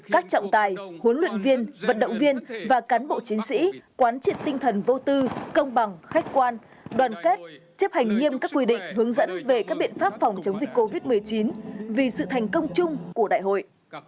các trọng tài huấn luyện viên vận động viên và cán bộ chiến sĩ quán trị tinh thần vô tư công bằng khách quan đoàn kết chấp hành nghiêm các quy định hướng dẫn về các biện pháp phòng chống dịch covid một mươi chín vì sự thành công chung của đại hội